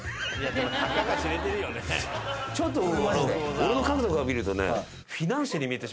俺の角度から見るとね。